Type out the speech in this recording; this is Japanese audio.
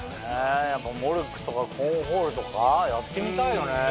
やっぱモルックとかコーンホールとかやってみたいよね。